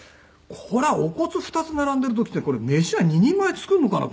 これはお骨２つ並んでる時って飯は２人前作るのかな？